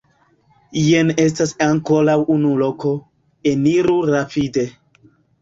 Jen estas ankoraŭ unu loko, eniru rapide.